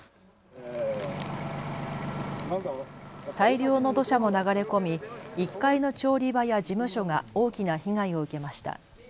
大量の土砂も流れ込み１階の調理場や事務所が大きな被害を受けました。